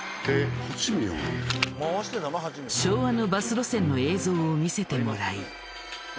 昭和のバス路線の映像を見せてもらい。